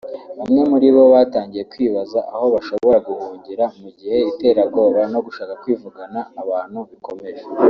bamwe muri bo batangiye kwibaza aho bashobora guhungira mu gihe iterabwoba no gushaka kwivugana abantu bikomeje